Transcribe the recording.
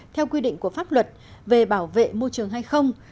theo quy định của pháp luật về bảo vệ môi trường hay không